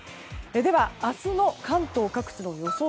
では明日の関東各地の予想